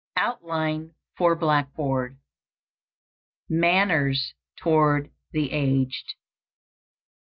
OUTLINE FOR BLACKBOARD. MANNERS TOWARD THE AGED.